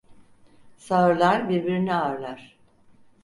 Sağırlar birbirini ağırlar.